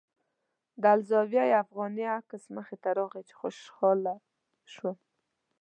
د الزاویة الافغانیه عکس مخې ته راغی چې خوشاله شوم.